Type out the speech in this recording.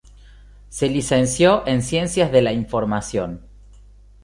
Se licenció en Ciencias de la Información.